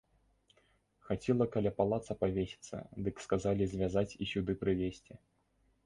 Хацела каля палаца павесіцца, дык сказалі звязаць і сюды прывесці!